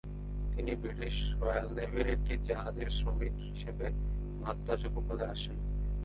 তিনি British royal নেভি-র একটি জাহাজের শ্রমিক হিসাবে মাদ্রাজ উপকূল আসেন।